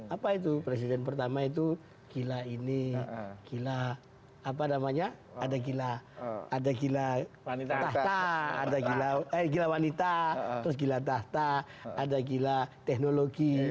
apa itu presiden pertama itu gila ini gila apa namanya ada gila ada gila tahta ada gila wanita terus gila tahta ada gila teknologi